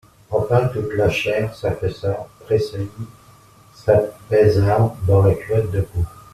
Enfin toute la chair s'affaissa, tressaillit, s'apaisa dans la culotte de peau.